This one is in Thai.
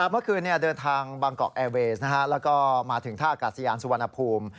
เมื่อคืนเดินทางบางกอกแอร์เวสแล้วก็มาถึงท่าอากาศยานสุวรรณภูมิ